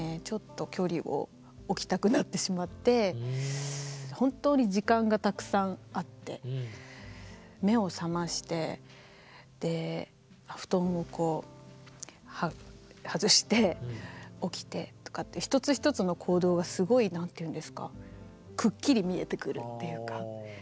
ちょっと距離を置きたくなってしまって本当に時間がたくさんあって目を覚ましてで布団をはずして起きてとかっていう一つ一つの行動がすごい何ていうんですかくっきり見えてくるっていうか